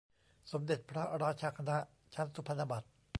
สมเด็จพระราชาคณะ ชั้นสุพรรณบัตร